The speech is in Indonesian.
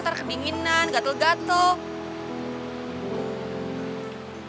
ntar kedinginan gatel gatel